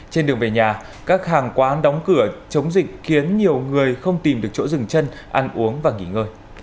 trên đường về nhà các hàng quán đóng cửa chống dịch khiến nhiều người không tìm được chỗ dừng chân ăn uống và nghỉ ngơi